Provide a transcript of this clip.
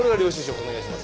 お願いします！